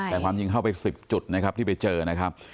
แต่ความจริงเข้าไป๑๐จุดนะครับที่ไปเจอนะครับ